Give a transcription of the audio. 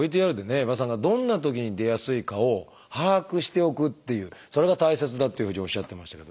江場さんがどんなときに出やすいかを把握しておくっていうそれが大切だっていうふうにおっしゃってましたけど。